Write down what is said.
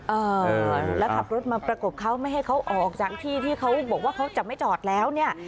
เอ่อแล้วขับรถมาประกบเขาไม่ให้เขาออกจากที่ที่เขาบอกว่าเขาจะไม่จอดแล้วเนี่ย